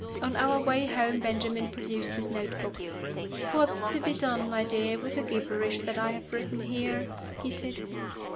On our way home Benjamin produced his note book. "What's to be done, my dear, with the gibberish that I have written here?" he said.